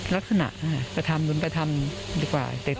ลักษณะอนุปธรรมดีกว่า